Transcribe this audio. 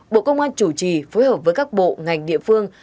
bộ công an chủ trì phối hợp với các bộ ngành địa phương